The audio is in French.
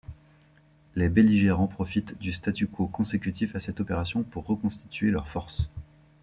Les belligérants profitent du statu quo consécutif à cette opération pour reconstituer leur forces.